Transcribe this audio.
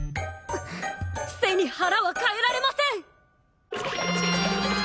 背に腹は代えられません！